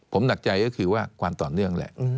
ผมหนักใจก็คือว่าความต่อเนื่องแหละ